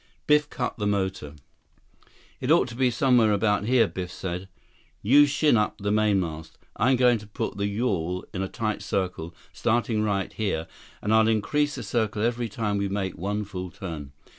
Biff cut the motor. "It ought to be somewhere about here," Biff said. "You shin up the mainmast. I'm going to put the yawl in a tight circle, starting right here, then I'll increase the circle every time we make one full turn."